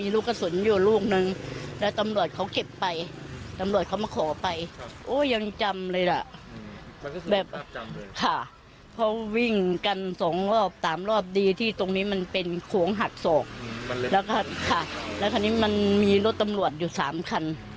และคันนี้มันมีรถตำรวจอยู่๓คัน